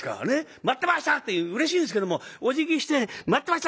「待ってました！」ってうれしいんですけどもおじぎして「待ってました！